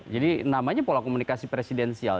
jadi namanya pola komunikasi presidensial